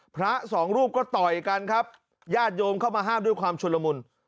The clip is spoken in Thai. พระสองรูปก็ต่อยกันครับญาติโยมเข้ามาห้ามด้วยความชุดละมุน